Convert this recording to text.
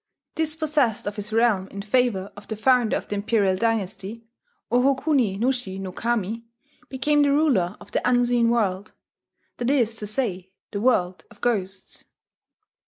Dispossessed of his realm in favour of the founder of the imperial dynasty, Oho kuni nushi no Kami became the ruler of the Unseen World, that is to say the World of Ghosts.